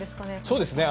そうですね。